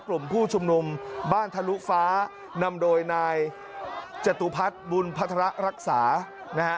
กลุ่มผู้ชุมนุมบ้านทะลุฟ้านำโดยนายจตุพัฒน์บุญพัฒระรักษานะฮะ